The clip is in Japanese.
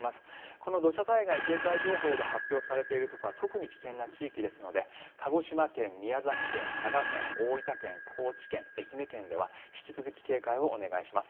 この土砂災害警戒情報が発表されているところは特に危険な地域ですので鹿児島県、宮崎県、佐賀県大分県、高知県愛媛県では引き続き警戒をお願いします。